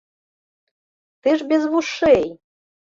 Ты ж без вушэй!